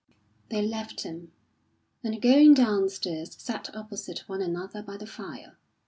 They left him, and going downstairs, sat opposite one another by the fire.